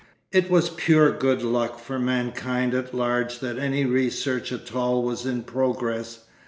It was pure good luck for mankind at large that any research at all was in progress.